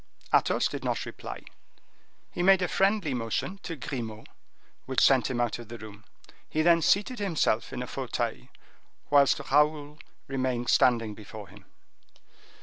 Athos did not reply. He made a friendly motion to Grimaud, which sent him out of the room; he then seated himself in a fauteuil, whilst Raoul remained standing before him.